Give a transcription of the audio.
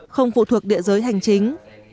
không phụ thuộc địa giới hành chính